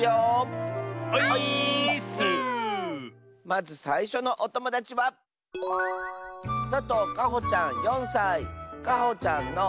まずさいしょのおともだちはかほちゃんの。